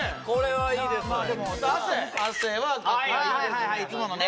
はいはいはいはいいつものね